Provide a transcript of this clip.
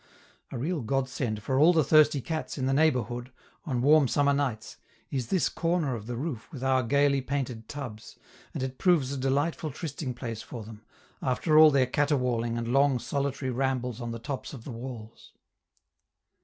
A real godsend for all the thirsty cats in the neighborhood, on warm summer nights, is this corner of the roof with our gayly painted tubs, and it proves a delightful trysting place for them, after all their caterwauling and long solitary rambles on the tops of the walls.